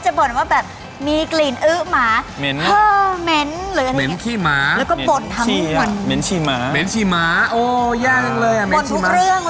โชคความแม่นแทนนุ่มในศึกที่๒กันแล้วล่ะครับ